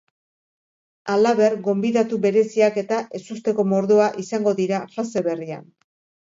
Halaber, gonbidatu bereziak eta ezusteko mordoa izango dira fase berrian.